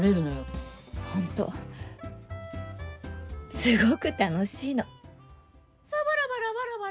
本当、すごく楽しいの。